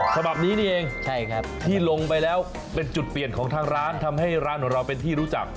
ฉบับนี้นี่เองใช่ครับที่ลงไปแล้วเป็นจุดเปลี่ยนของทางร้านทำให้ร้านของเราเป็นที่รู้จัก